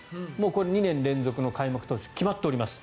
２年連続の開幕投手決まっております。